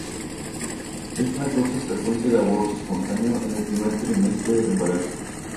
Es una causa frecuente de aborto espontáneo en el primer trimestre del embarazo.